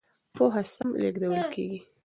پوهه سم لېږدول کېږي.